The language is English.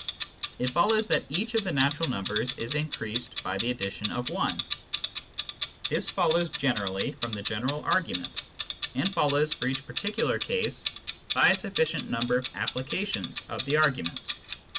It follows that each of the natural numbers is increased by the addition of i . This follows generally from the general argument, and follows for each particular case by a suflficient number of applications of the argu ment.